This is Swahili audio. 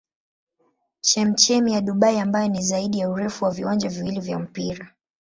Chemchemi ya Dubai ambayo ni zaidi ya urefu wa viwanja viwili vya mpira.